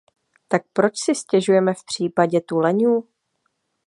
Tak proč si stěžujeme v případě tuleňů?